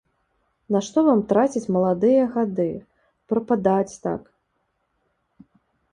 Нашто вам траціць маладыя гады, прападаць так?